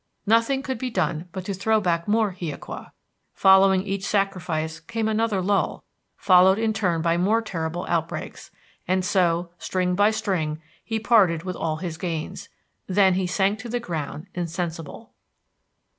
Nothing could be done but to throw back more hiaqua. Following each sacrifice came another lull, followed in turn by more terrible outbreaks. And so, string by string, he parted with all his gains. Then he sank to the ground insensible.